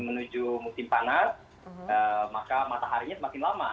kalau semakin menuju musim panas maka mataharinya semakin lama